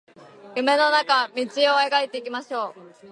夢の中道描いていきましょう